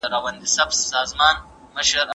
زه کولای سم موبایل کار کړم!!